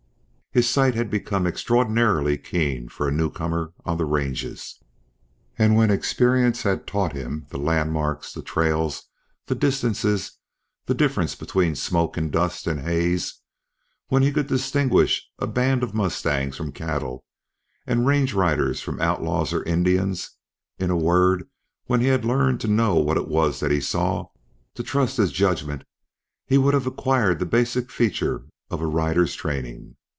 His sight had become extraordinarily keen for a new comer on the ranges, and when experience had taught him the land marks, the trails, the distances, the difference between smoke and dust and haze, when he could distinguish a band of mustangs from cattle, and range riders from outlaws or Indians; in a word, when he had learned to know what it was that he saw, to trust his judgment, he would have acquired the basic feature of a rider's training.